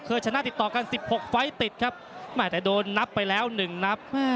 เครื่องชนะติดต่อกัน๑๖ไฟล์ติดครับแม่แต่โดนนับไปแล้ว๑นับ